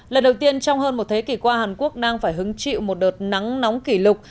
lần đầu tiên trong hơn một thế kỷ qua hàn quốc đang phải hứng chịu một đợt nắng nóng kỷ lục